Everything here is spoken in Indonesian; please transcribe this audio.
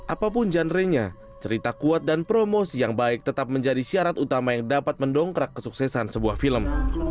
apapun genre nya cerita kuat dan promosi yang baik tetap menjadi syarat utama yang dapat mendongkrak kesuksesan sebuah film